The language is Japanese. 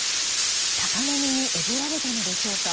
高波にえぐられたのでしょうか。